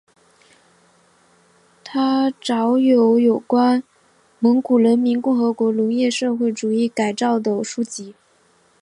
他着有有关蒙古人民共和国农业社会主义改造的书籍。